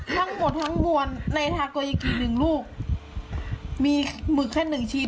ทั้งหมดทั้งมวลในทาโกยากิหนึ่งลูกมีหมึกแค่หนึ่งชิ้น